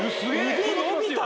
腕伸びた？